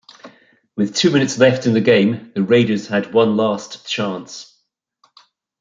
With two minutes left in the game, the Raiders had one last chance.